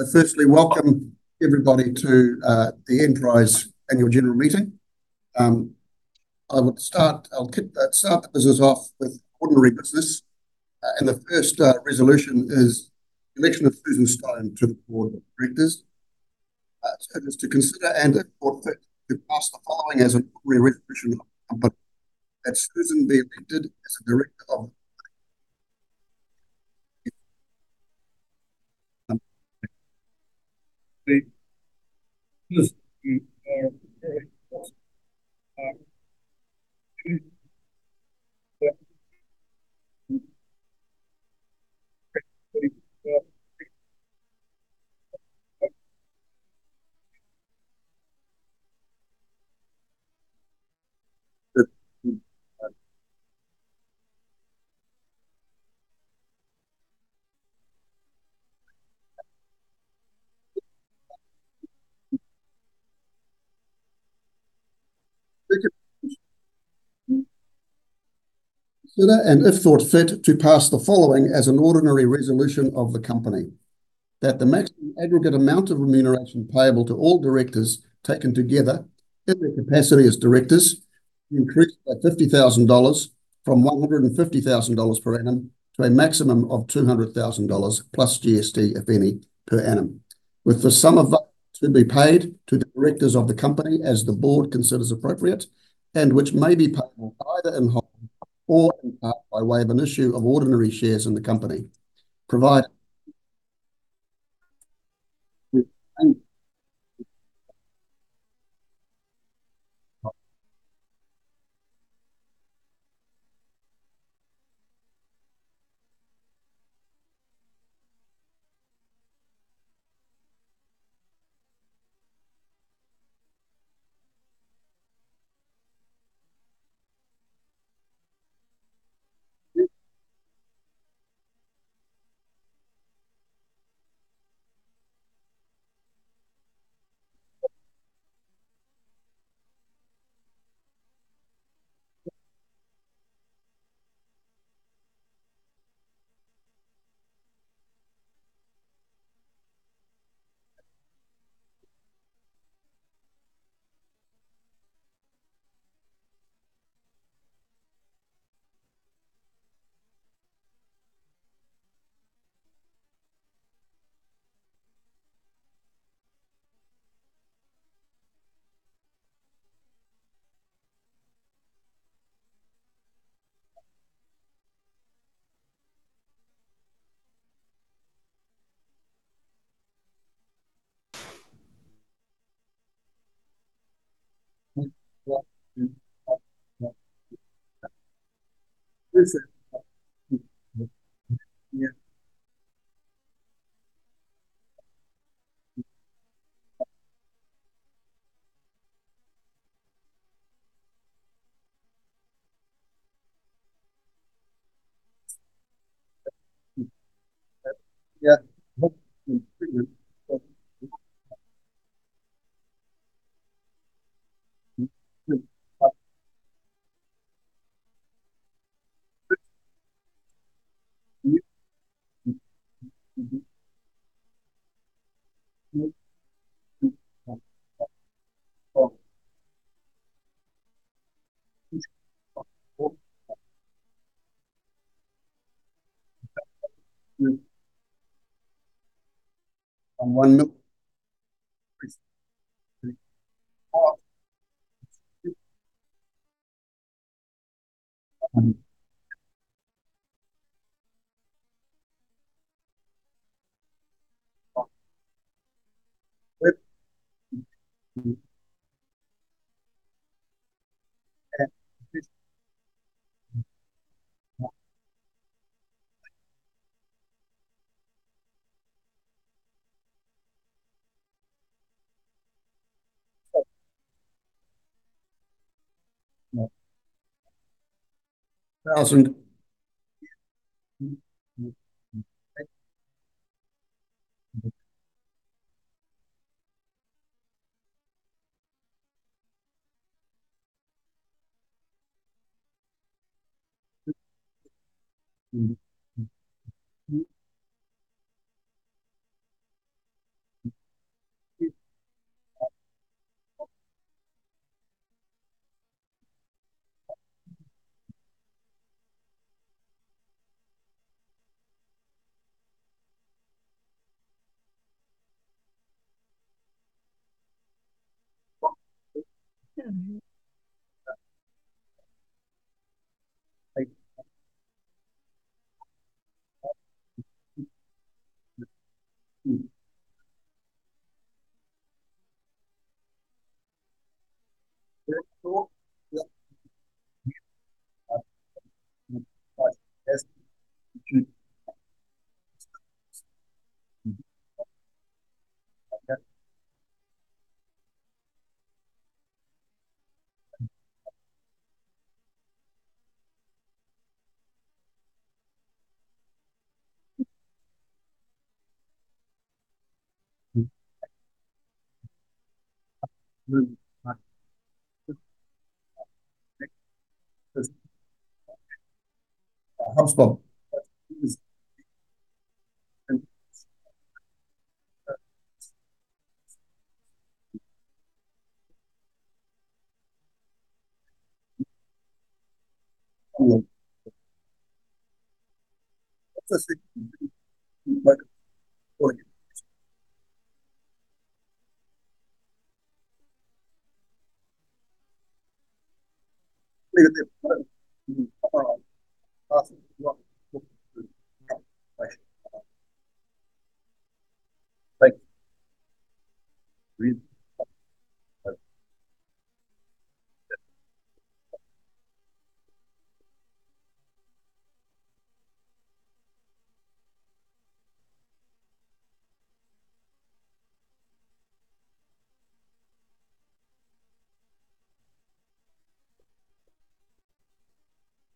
Essentially, welcome everybody to the Enprise Annual General Meeting. I will start. I'll kick the business off with ordinary business, and the first resolution is the election of Susan Stone to the Board of Directors. It's urgent to consider and, of course, to pass the following as an ordinary resolution of the company that Susan be elected as a Director of the Company. If thought fit to pass the following as an ordinary resolution of the Company, that the maximum aggregate amount of remuneration payable to all directors taken together in their capacity as directors be increased by 50,000 dollars from 150,000 dollars per annum to a maximum of 200,000 dollars plus GST, if any, per annum, with the sum of that to be paid to the directors of the company as the Board considers appropriate and which may be paid either in whole or in part by way of an issue of ordinary shares in the company, provide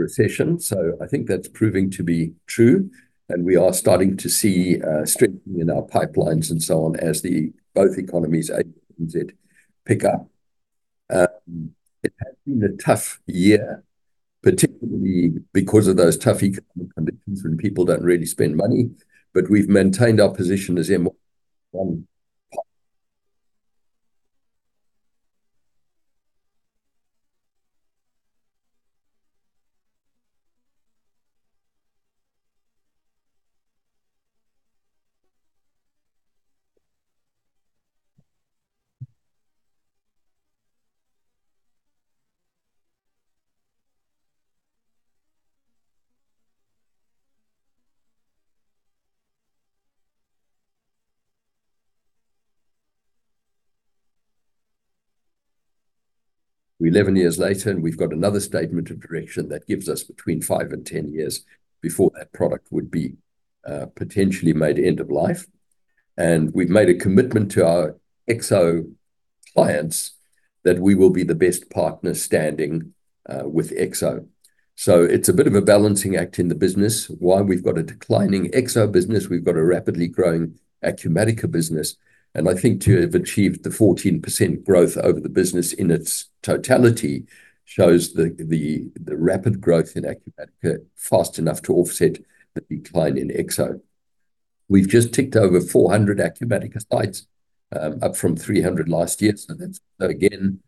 Recession. So I think that's proving to be true. And we are starting to see strengthening in our pipelines and so on as both economies Australia and New Zealand pick up. It has been a tough year, particularly because of those tough economic conditions when people don't really spend money. But we've maintained our position as we're 11 years later, and we've got another statement of direction that gives us between five and 10 years before that product would be potentially made end of life. And we've made a commitment to our Exo clients that we will be the best partner standing with Exo. So it's a bit of a balancing act in the business. Why? We've got a declining Exo business. We've got a rapidly growing Acumatica business. I think to have achieved the 14% growth over the business in its totality shows the rapid growth in Acumatica fast enough to offset the decline in Exo. We've just ticked over 400 Acumatica sites, up from 300 last year. That's again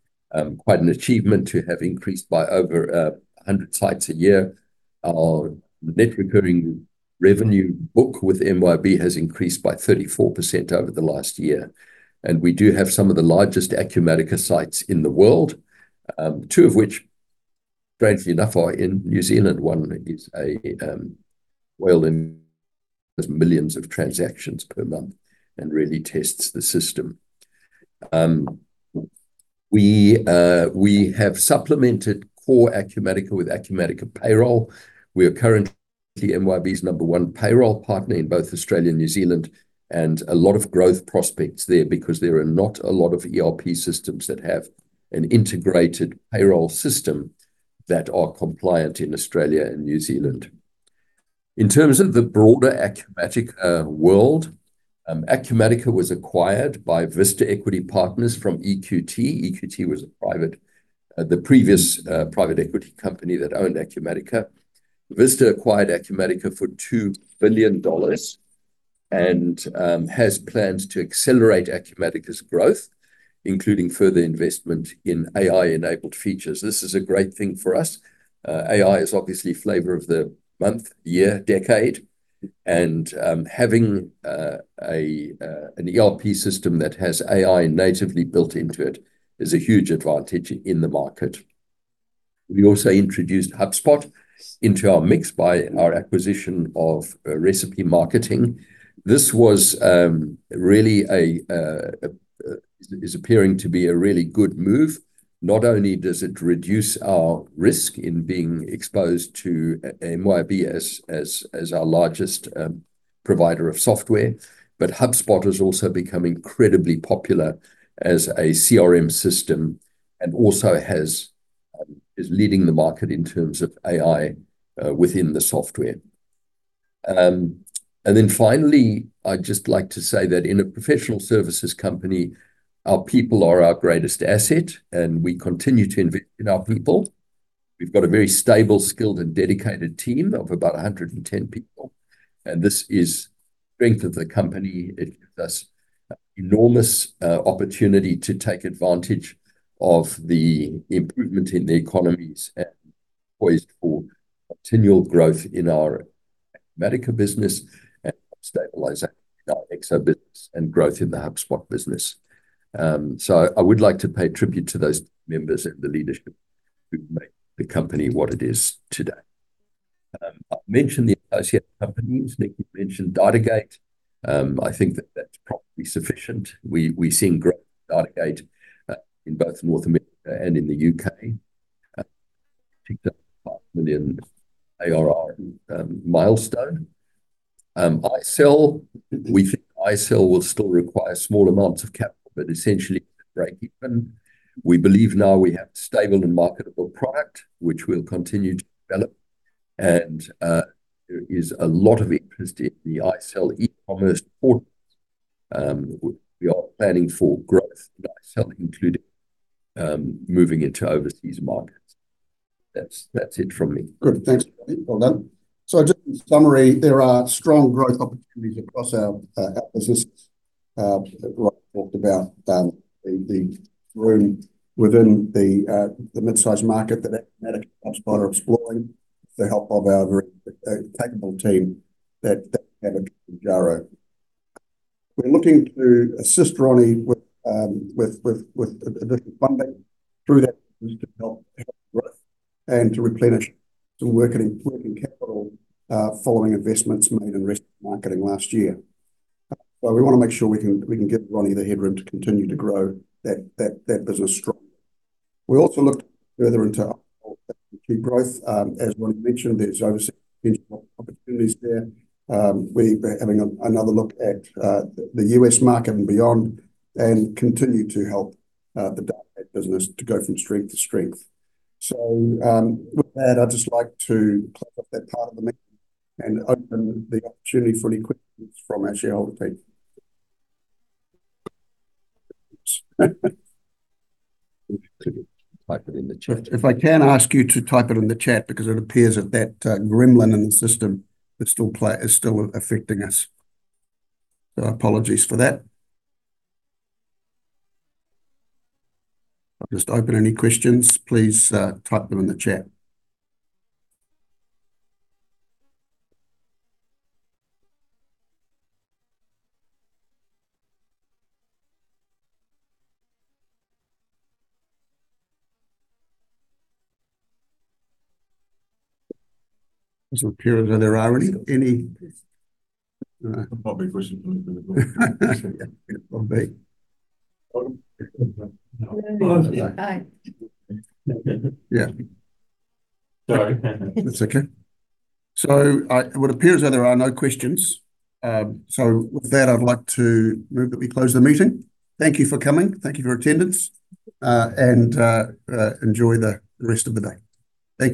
quite an achievement to have increased by over 100 sites a year. Our net recurring revenue book with MYOB has increased by 34% over the last year. We do have some of the largest Acumatica sites in the world, two of which, strangely enough, are in New Zealand. One is a whale in millions of transactions per month and really tests the system. We have supplemented core Acumatica with Acumatica payroll. We are currently MYOB's number one payroll partner in both Australia and New Zealand, and a lot of growth prospects there because there are not a lot of ERP systems that have an integrated payroll system that are compliant in Australia and New Zealand. In terms of the broader Acumatica world, Acumatica was acquired by Vista Equity Partners from EQT. EQT was the previous private equity company that owned Acumatica. Vista acquired Acumatica for $2 billion and has plans to accelerate Acumatica's growth, including further investment in AI-enabled features. This is a great thing for us. AI is obviously flavor of the month, year, decade. And having an ERP system that has AI natively built into it is a huge advantage in the market. We also introduced HubSpot into our mix by our acquisition of Recipe Marketing. This was really. It's appearing to be a really good move. Not only does it reduce our risk in being exposed to MYOB as our largest provider of software, but HubSpot has also become incredibly popular as a CRM system and also is leading the market in terms of AI within the software. And then finally, I'd just like to say that in a professional services company, our people are our greatest asset, and we continue to invest in our people. We've got a very stable, skilled, and dedicated team of about 110 people. And this is the strength of the company. It gives us enormous opportunity to take advantage of the improvement in the economies and poised for continual growth in our Acumatica business and stabilization in our Exo business and growth in the HubSpot business. So I would like to pay tribute to those members and the leadership who've made the company what it is today. I'll mention the associate companies. Nick mentioned Datagate. I think that that's probably sufficient. We've seen growth in Datagate in both North America and in the U.K., ticked up to five million ARR milestone. iSell, we think iSell will still require small amounts of capital, but essentially it's a break-even. We believe now we have a stable and marketable product, which we'll continue to develop. And there is a lot of interest in the iSell e-commerce portal. We are planning for growth in iSell, including moving into overseas markets. That's it from me. Good. Thanks, Rodney. Well done. So just to summarize, there are strong growth opportunities across our business. As Rodney talked about, the room within the mid-size market that Acumatica and HubSpot are exploring with the help of our very capable team that have a jargon. We're looking to assist Rodney with additional funding through that business to help growth and to replenish some working capital following investments made in Recipe Marketing last year. So we want to make sure we can give Rodney the headroom to continue to grow that business strongly. We also looked further into our growth. As Rodney mentioned, there's overseas opportunities there. We're having another look at the U.S. market and beyond and continue to help the Datagate business to go from strength to strength. So with that, I'd just like to close up that part of the meeting and open the opportunity for any questions from our shareholder team. If I can ask you to type it in the chat because it appears that that gremlin in the system is still affecting us. So, apologies for that. I'll just open any questions. Please type them in the chat. It doesn't appear as though there are any. There probably are questions. Yeah. Sorry. That's okay. So it would appear as though there are no questions. So with that, I'd like to move that we close the meeting. Thank you for coming. Thank you for attendance. And enjoy the rest of the day. Thank you.